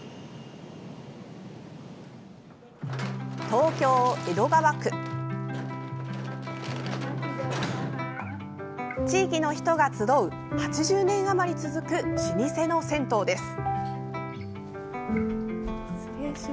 東京・江戸川区、地域の人が集う８０年余り続く老舗の銭湯です。